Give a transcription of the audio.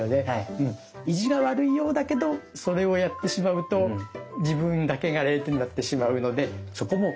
意地が悪いようだけどそれをやってしまうと自分だけが０点になってしまうのでそこも気をつけよう。